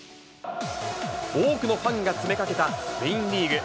多くのファンが詰めかけたスペインリーグ。